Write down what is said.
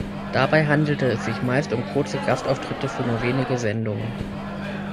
Dabei handelte es sich meist um kurze Gastauftritte für nur wenige Sendungen.